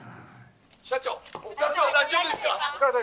社長お体は大丈夫ですか？